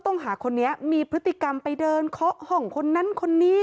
ต้องหาคนนี้มีพฤติกรรมไปเดินเคาะห้องคนนั้นคนนี้